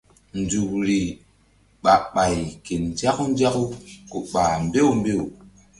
Nzukri ɓah ɓay ke nzaku nzaku ku ɓah mbew mbew.